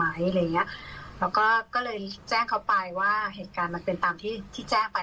อะไรอย่างเงี้ยเราก็เลยแจ้งเขาไปว่าเหตุการณ์มันเป็นตามที่ที่แจ้งไป